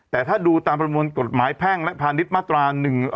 แต่ถ้าดูตามประมวลกฎหมายแพ่งและพาณิชย์มาตรา๑๑๒